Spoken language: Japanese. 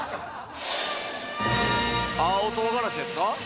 青唐辛子ですか？